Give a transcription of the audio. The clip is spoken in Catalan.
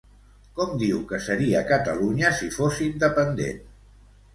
Com diu que seria Catalunya si fos independent?